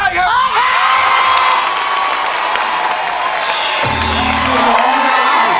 ได้ครับ